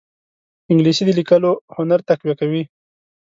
انګلیسي د لیکلو هنر تقویه کوي